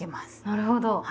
なるほど。